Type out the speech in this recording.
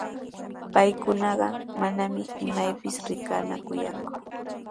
Paykunaqa manami imaypis rikanakuyanku,